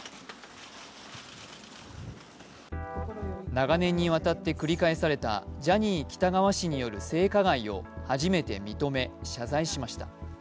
長年にわたって繰り返されたジャニー喜多川氏による性加害を初めて認め、謝罪しました。